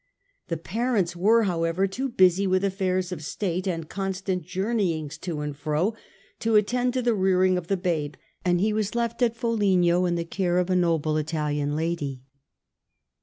The parents were, however, too busy with affairs of state, and constant journeyings to and fro, to attend to the rearing of the babe, and he was left at Foligno in the care of a noble Italian lady.